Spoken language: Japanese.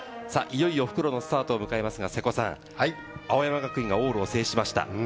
いよいよ復路のスタートを迎えますが、瀬古さん、青山学院が往路を制しました。